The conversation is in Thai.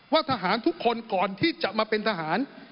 ทหารทุกคนก่อนที่จะมาเป็นทหาร